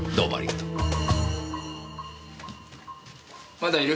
まだいる？